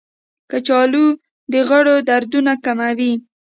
کچالو د غړو دردونه کموي.